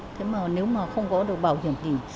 thế mà nếu mà không có được bảo hiểm thì